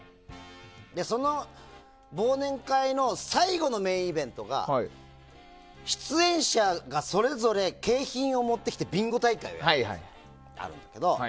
その忘年会の最後のメインイベントが出演者がそれぞれ景品を持ってきてビンゴ大会があるんだけど。